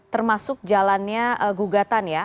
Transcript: termasuk jalannya gugatan ya